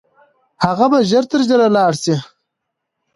هغه به ژر تر ژره لاړ سي.